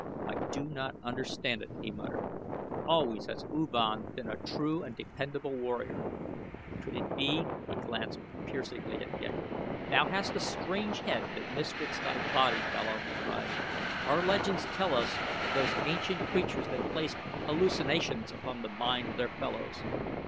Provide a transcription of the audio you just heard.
"I do not understand it," he muttered. "Always has U Van been a true and dependable warrior. Could it be ?" he glanced piercingly at Ghek. "Thou hast a strange head that misfits thy body, fellow," he cried. "Our legends tell us of those ancient creatures that placed hallucinations upon the mind of their fellows.